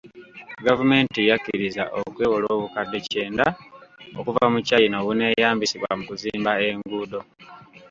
Gavumenti yakkirizza okwewola obukadde kyenda okuva mu China obuneeyambisibwa mu kuzimba enguudo.